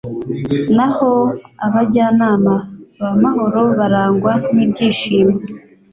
naho abajyanama b’amahoro barangwa n’ibyishimo